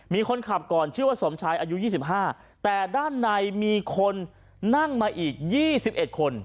มีคนขับก่อนชื่อว่าสมชายอายุ๒๕แต่ด้านในมีคนนั่งมาอีก๒๑คน